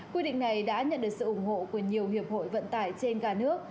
quy định này đã nhận được sự ủng hộ của nhiều hiệp hội vận tải trên cả nước